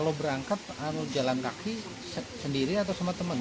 kalau berangkat harus jalan kaki sendiri atau sama teman